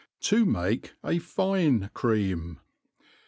To maki a fine Cream.